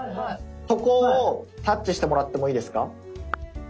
そこをタッチしてもらってもいいですか？